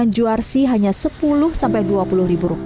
dan apakah perjalanan masyarakat boleh pulih untuk korban sayuran